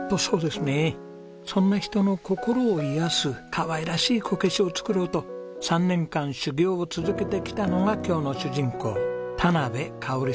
そんな人の心を癒やすかわいらしいこけしを作ろうと３年間修業を続けてきたのが今日の主人公。